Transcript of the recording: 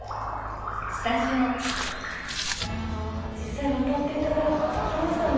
実際渡っていただきましたね